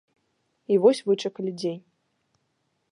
І вось вычакалі дзень.